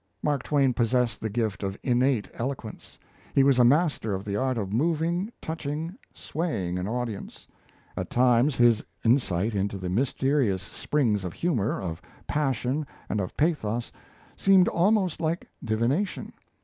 Mark Twain possessed the gift of innate eloquence. He was a master of the art of moving, touching, swaying an audience. At times, his insight into the mysterious springs of humour, of passion, and of pathos seemed almost like divination.